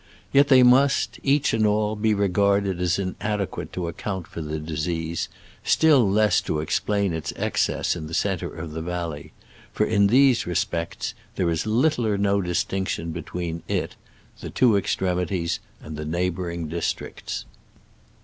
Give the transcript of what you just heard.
Yet they must, each and all, be regarded as in adequate to account for the disease, still less to explain its excess in the centre of the valley ; for in these respects there is little or no distinction between it, the two extremities and the neighboring districts.